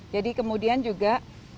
jadi kemudian juga